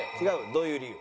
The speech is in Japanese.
どういう理由？